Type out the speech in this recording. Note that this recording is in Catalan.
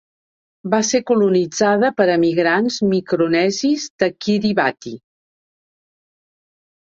Va ser colonitzada per emigrants micronesis de Kiribati.